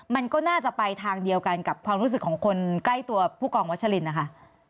มันก็น่าจะไปทางเดียวกันกับความรู้สึกของคนใกล้ตัวผู้กองวัชลินนะคะ